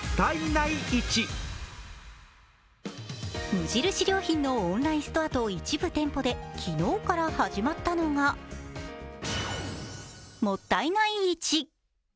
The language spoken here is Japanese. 無印良品のオンラインストアと一部店舗で昨日から始まったのが、もったいない市。